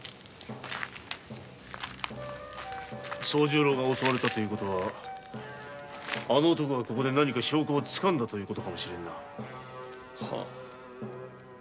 惣十郎が襲われたという事はあの男がここで何か証拠をつかんだという事かもしれん。